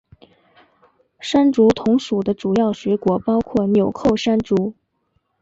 山竹同属的主要水果包括钮扣山竹。